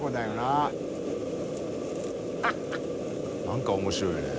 何か面白いよね。